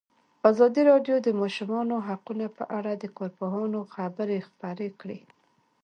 ازادي راډیو د د ماشومانو حقونه په اړه د کارپوهانو خبرې خپرې کړي.